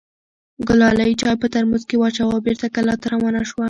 ګلالۍ چای په ترموز کې واچوه او بېرته کلا ته روانه شوه.